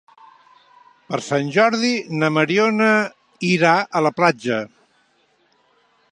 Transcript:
Per Sant Jordi na Mariona irà a la platja.